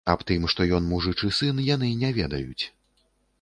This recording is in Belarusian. Аб тым, што ён мужычы сын, яны не ведаюць.